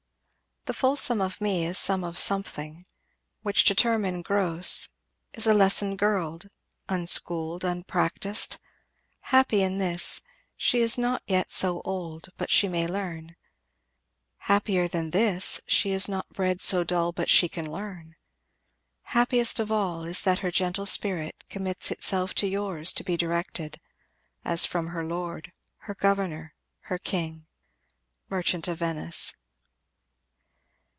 The full sum of me Is sum of something; which to term in gross, Is an unlesson'd girl, unschool'd, unpractis'd; Happy in this, she is not yet so old But she may learn; and happier than this, She is not bred so dull but she can learn; Happiest of all, is that her gentle spirit Commits itself to yours to be directed, As from her lord, her governor, her king. Merchant of Venice.